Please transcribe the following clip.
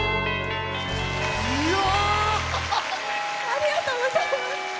ありがとうございます。